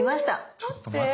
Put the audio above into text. ちょっと待って。